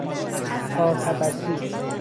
پاتبسی